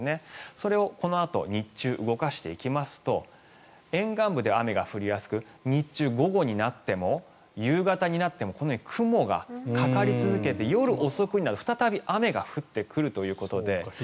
それをこのあと日中動かしていきますと沿岸部で雨が降りやすく日中、午後になっても夕方になってもこのように雲がかかり続けて夜遅くには再び雨が降ってくるということで。